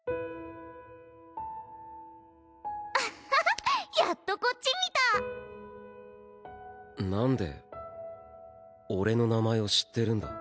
アハハッやっとこっち見た何で俺の名前を知ってるんだ？